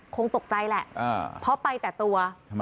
คงตกใจแหละเพราะไปแต่ตัว